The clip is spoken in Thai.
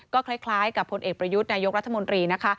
ก็คล้ายกับผลเอกประยุทธ์นายกรัฐมนตรีนะคะ